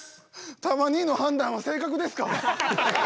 たま兄の判断は正確ですか？